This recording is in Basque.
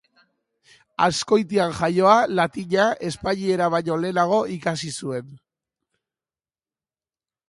Azkoitian jaioa, latina espainiera baino lehenago ikasi zuen.